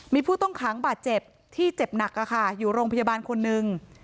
มีผู้ต้องขังบาดเจ็บที่เจ็บหนักอยู่โรงพยาบาลคนหนึ่ง